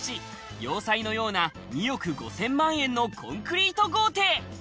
要塞のような２億５０００万円のコンクリート豪邸。